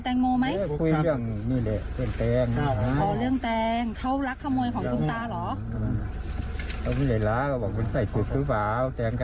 ใช่เขามีจะทำล้ายเราไหมนี่ไงเฉียนอ๋อเหรอคะนี่เหรอคะ